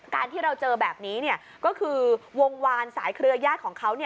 การที่เราเจอแบบนี้ก็คือวงวานสายเครือญาติของเขา